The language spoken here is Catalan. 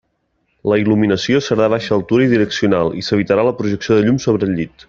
La il·luminació serà de baixa altura i direccional, i s'evitarà la projecció de llum sobre el llit.